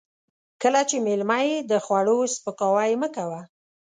کله چې مېلمه يې د خوړو سپکاوی مه کوه.